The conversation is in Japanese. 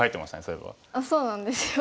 そうなんですよ。